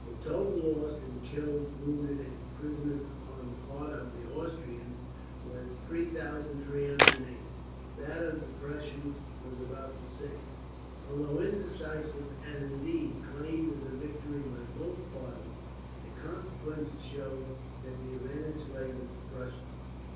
The total loss in killed, wounded, and prisoners on the part of the Austrians was 3308. That of the Prussians was about the same. Although indecisive and indeed, claimed as a victory by both parties the consequences showed that the advantage lay with the Prussians.